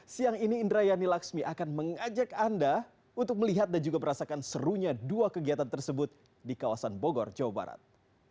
siang ini indrayani laksmi akan mengajak anda untuk melihat dan juga merasakan serunya dua kegiatan tersebut di kawasan bogor jawa barat